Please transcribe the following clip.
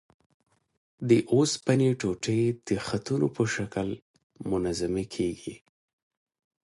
د اوسپنې ټوټې د خطونو په شکل منظمې کیږي.